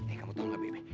eh kamu tahu nggak bebe